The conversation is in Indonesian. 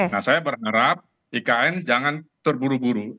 nah saya berharap ikn jangan terburu buru